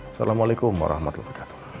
assalamualaikum warahmatullahi wabarakatuh